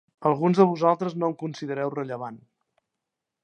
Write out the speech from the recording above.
Alguns de vosaltres no em considereu rellevant.